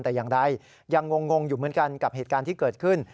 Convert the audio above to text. แต่อย่างใดยังงงอยู่เหมือนกันกับเหตุการณ์ที่เกิดขึ้น